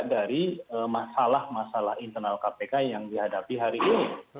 dari masalah masalah internal kpk yang dihadapi hari ini